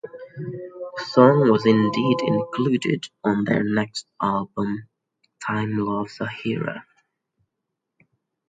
The song was indeed included on their next album "Time Loves a Hero".